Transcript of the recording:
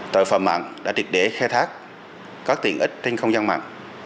tội phạm mạng đã được để khe thác có tiện ích trên không gian mạng